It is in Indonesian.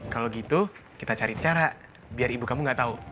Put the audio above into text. kalau gitu kita cari cara biar ibu kamu gak tahu